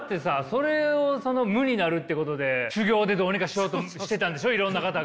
それをその無になるってことで修行でどうにかしようとしてたんでしょいろんな方が。